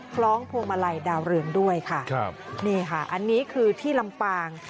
คล้องพวงมาลัยดาวเรืองด้วยค่ะครับนี่ค่ะอันนี้คือที่ลำปาง